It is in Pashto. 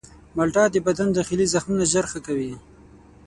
مالټه د بدن داخلي زخمونه ژر ښه کوي.